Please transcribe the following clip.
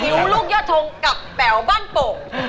อิ๋วลูกยาธงกับเป๋่าบ้านโป